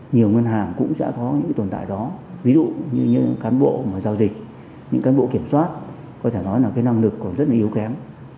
nhiều ngân hàng cũng sẽ có những tồn tại đó ví dụ như những cán bộ giao dịch những cán bộ kiểm soát có thể nói là cái năng lực còn rất là yếu kém